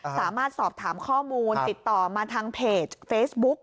สามารถสอบถามข้อมูลติดต่อมาทางเพจเฟซบุ๊ก